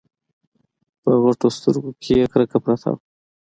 په غټو سترګو کې يې کرکه پرته وه.